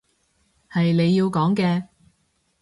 係你要講嘅